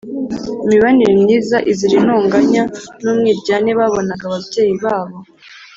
Imibanire myiza izira intonganya n’umwiryane babonanaga ababyeyi babo